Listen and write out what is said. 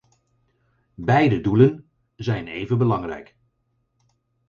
Beide doelen zijn even belangrijk.